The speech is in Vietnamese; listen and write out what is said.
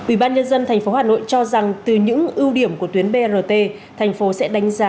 ubnd tp hà nội cho rằng từ những ưu điểm của tuyến brt thành phố sẽ đánh giá